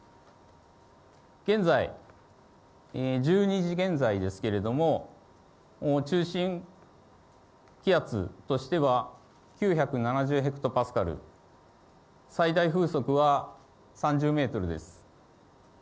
現在、１２時現在ですけれども、中心気圧としては、９７０ヘクトパスカル、最大風速は３０メートルです。